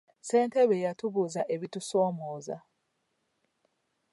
Ssentebe yatubuuza ebitusoomooza.